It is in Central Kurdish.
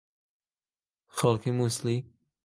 خەڵکی مووسڵی؟